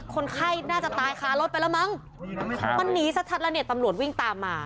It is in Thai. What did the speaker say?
คนไข้น่าจะตายคารถไปแล้วมั้งมันหนีชัดแล้วเนี่ยตำรวจวิ่งตามมา